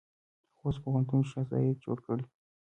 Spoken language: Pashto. خوست پوهنتون شیخ زاید جوړ کړی؟